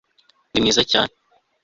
Ndi mwiza cyane